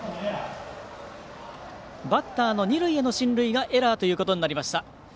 バッターの二塁への進塁がエラーとなりました。